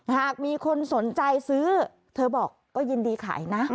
หากมีคนสนใจซื้อเธอบอกก็ยินดีขายนะ